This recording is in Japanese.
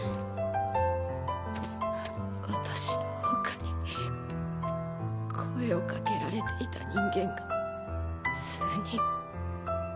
私の他に声をかけられていた人間が数人。